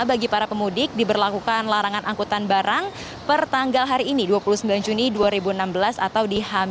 bagi para pemudik diberlakukan larangan angkutan barang per tanggal hari ini dua puluh sembilan juni dua ribu enam belas atau di h dua